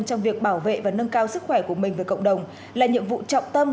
trong việc bảo vệ và nâng cao sức khỏe của mình với cộng đồng là nhiệm vụ trọng tâm